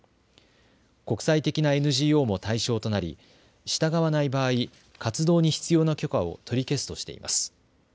国際的なＮＧＯも対象となり従わない場合、活動に必要な許可を取り消すとしています。